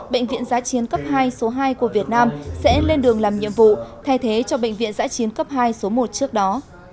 bệnh viện giá chiến cấp hai số hai của việt nam sẽ lên đường làm nhiệm vụ thay thế cho bệnh viện giã chiến cấp hai số một trước đó